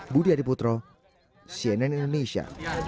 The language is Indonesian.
budi adiputro cnn indonesia